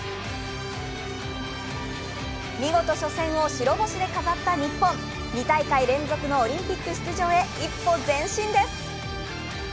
見事初戦を白星で飾った日本、２大会連続のオリンピック出場へ一歩前進です。